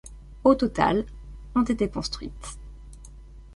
Au total, ont été construites.